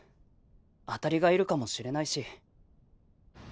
当たりがいるかもしれないし。